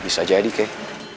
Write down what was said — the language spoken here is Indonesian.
bisa jadi kei